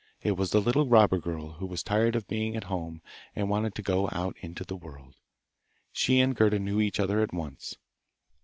It was the little robber girl who was tired of being at home and wanted to go out into the world. She and Gerda knew each other at once.